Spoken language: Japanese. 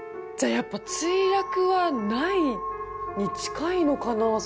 じゃあやっぱ墜落はないに近いのかな？